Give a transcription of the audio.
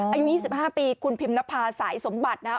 อายุ๒๕ปีคุณพิมพ์นภาษาสายสมบัตินะฮะ